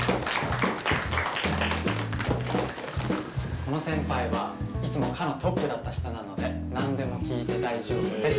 この先輩はいつも科のトップだった人なのでなんでも聞いて大丈夫です。